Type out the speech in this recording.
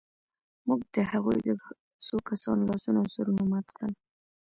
موږ د هغوی د څو کسانو لاسونه او سرونه مات کړل